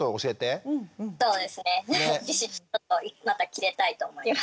そうですねまたキレたいと思います。